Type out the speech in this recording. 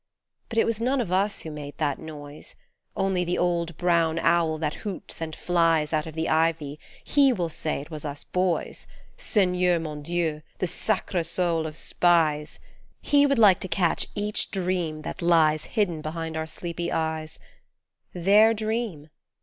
But it was none of us who made that noise, Only the old brown owl that hoots and flies Out of the ivy he will say it was us boys Seigneur won Dieu ! the sacre soul of spies ! He would like to catch each dream that lies Hidden behind our sleepy eyes : Their dream